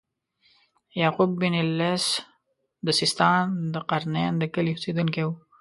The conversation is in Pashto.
یعقوب بن اللیث د سیستان د قرنین د کلي اوسیدونکی و.